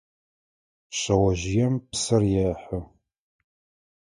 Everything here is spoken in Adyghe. Шъэожъыем псыр ехьы.